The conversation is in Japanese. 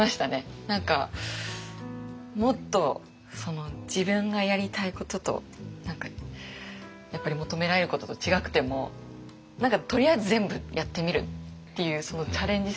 何かもっと自分がやりたいこととやっぱり求められることと違くても何かとりあえず全部やってみるっていうそのチャレンジ